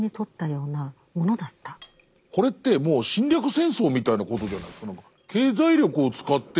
これってもう侵略戦争みたいなことじゃないですか。